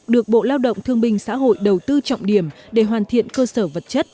được bộ lao động thương binh xã hội đầu tư trọng điểm để hoàn thiện cơ sở vật chất